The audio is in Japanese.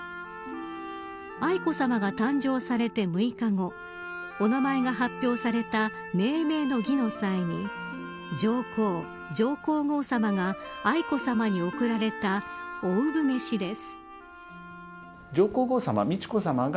愛子さまが誕生されて６日後お名前が発表された命名の儀の際に上皇后さまが愛子さまに贈られた御初召です。